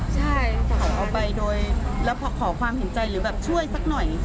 ใช่เขาเอาไปโดยแล้วขอความเห็นใจหรือแบบช่วยสักหน่อย